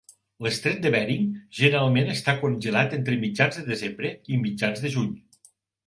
L'estret de Bering generalment està congelat entre mitjans de desembre i mitjans de juny.